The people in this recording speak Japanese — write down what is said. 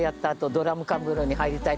ドラム缶風呂入りたい。